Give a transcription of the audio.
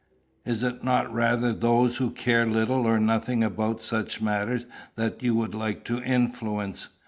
Is it not rather those who care little or nothing about such matters that you would like to influence?